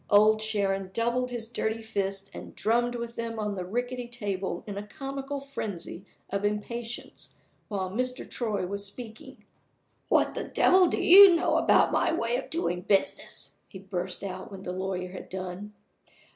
Old Sharon doubled his dirty fists and drummed with them on the rickety table in a comical frenzy of impatience while Mr. Troy was speaking. "What the devil do you know about my way of doing my business?" he burst out when the lawyer had done.